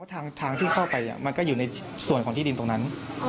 ทางที่เข้าไปมันก็อยู่ในส่วนของที่ดินตรงนั้น